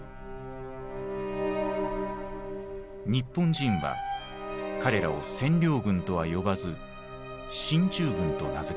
日本人は彼らを「占領軍」とは呼ばず「進駐軍」と名付けた。